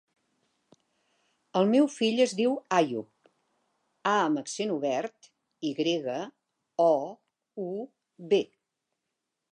El meu fill es diu Àyoub: a amb accent obert, i grega, o, u, be.